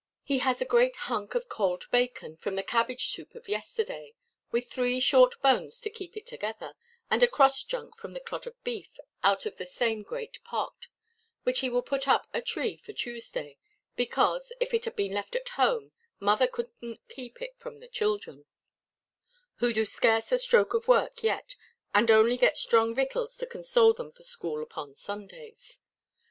He has a great hunk of cold bacon, from the cabbage–soup of yesterday, with three short bones to keep it together, and a cross junk from the clod of beef (out of the same great pot) which he will put up a tree for Tuesday; because, if it had been left at home, mother couldnʼt keep it from the children; who do scarce a stroke of work yet, and only get strong victuals to console them for school upon Sundays.